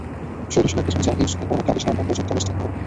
শৈলশিলার পেছনে যাও এই উচ্চতায় পরবর্তী আদেশ না পাওয়া পর্যন্ত অবস্থান করো।